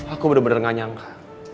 aku bener bener gak nyangka